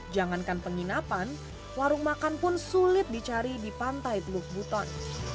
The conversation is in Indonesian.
jangankan penginapan warung makan pun sulit dicari di pantai teluk buton